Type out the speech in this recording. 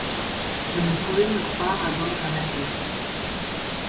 Je ne pouvais me croire à bord d’un navire.